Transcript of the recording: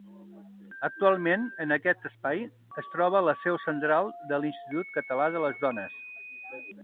Actualment en aquest espai es troba la seu central de l'Institut Català de les Dones.